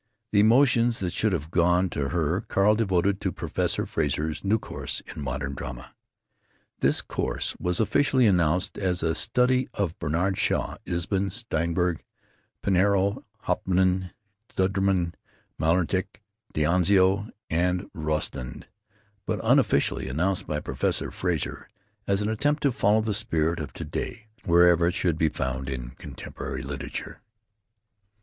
The emotions that should have gone to her Carl devoted to Professor Frazer's new course in modern drama. This course was officially announced as a study of Bernard Shaw, Ibsen, Strindberg, Pinero, Hauptmann, Sudermann, Maeterlinck, D'Annunzio, and Rostand; but unofficially announced by Professor Frazer as an attempt to follow the spirit of to day wherever it should be found in contemporary literature.